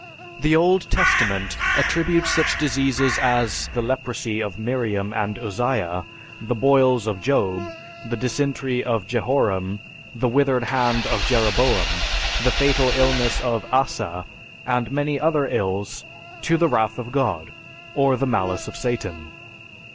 The Old Testament attributes such diseases as the leprosy of Miriam and Uzziah, the boils of Job, the dysentery of Jehoram, the withered hand of Jeroboam, the fatal illness of Asa, and many other ills, to the wrath of God, or the malice of Satan.